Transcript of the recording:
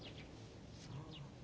そう。